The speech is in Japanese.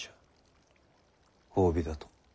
褒美だと。